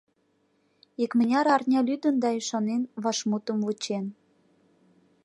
Икмыняр арня лӱдын да ӱшанен, вашмутым вучен.